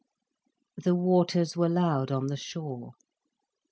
The waters were loud on the shore.